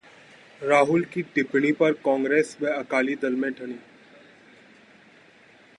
राहुल की टिप्पणी पर कांग्रेस व अकाली दल में ठनी